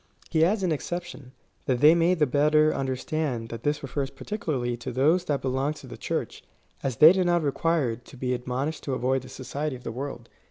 He adds an exception, that they may the better under stand tliat this refers particuhxrly to those that belong to tlie Church, as they did not require to be admonished^ to avoid the society of the world.